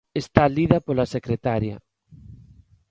Está lida pola secretaria.